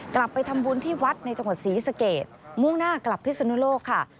กลับไปทำบุญที่วัดในจังหวัดศรีสเกตมุ่งหน้ากลับพิศนุโลกค่ะ